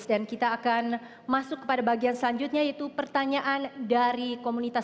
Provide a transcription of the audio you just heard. kita akan masuk kepada bagian selanjutnya yaitu pertanyaan dari komunitas